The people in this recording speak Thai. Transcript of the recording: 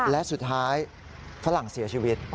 และสุดท้ายฝรั่งเสียชีวิต